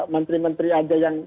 menteri menteri saja yang